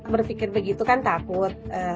berpikir begitu kan takut